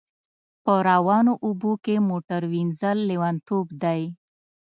په روانو اوبو کښی موټر وینځل لیونتوب دی